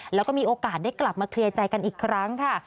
แล้วก็มีโอกาสได้กลับมาเคลียร์ใจกันอีกครั้งค่ะ